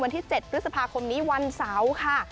วันที่๗ฤษภาคมนี้วันเสาค่ะ